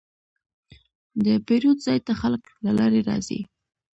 د پیرود ځای ته خلک له لرې راځي.